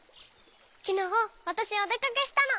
きのうわたしおでかけしたの！